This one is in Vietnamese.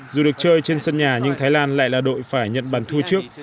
dù được chơi trên sân nhà nhưng thái lan lại là đội phải nhận bàn thua trước